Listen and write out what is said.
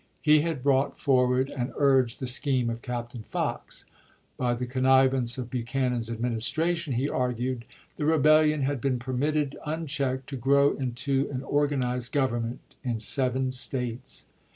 He had brought forward and urged the scheme of Captain Fox. By the connivance of Buchanan's Adminis tration, he argued, the rebellion had been permitted unchecked to grow into an organized government in seven States.